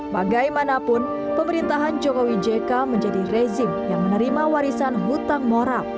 bagaimanapun pemerintahan jokowi jk menjadi rezim yang menerima warisan hutang moral